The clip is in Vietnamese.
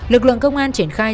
lực lượng công an triển khai